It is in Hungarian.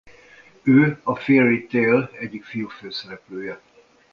Ő a Fairy Tail egyik fiú főszereplője.